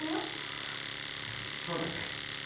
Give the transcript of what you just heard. あぁそうだね。